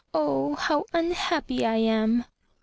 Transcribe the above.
Oh, how unhappy I am!"